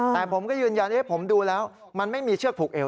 แต่ผมก็ยืนยันผมดูแล้วมันไม่มีเชือกผูกเอว